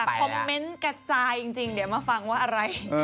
คอมเมนต์กระจายจริงเดี๋ยวมาฟังว่าอะไร